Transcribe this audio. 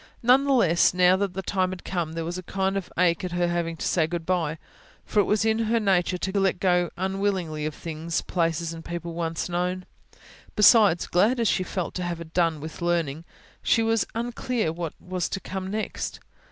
None the less, now that the time had come there was a kind of ache in her at having to say good bye; for it was in her nature to let go unwillingly of things, places and people once known. Besides, glad as she felt to have done with learning, she was unclear what was to come next.